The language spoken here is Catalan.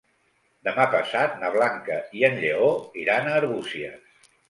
Demà passat na Blanca i en Lleó iran a Arbúcies.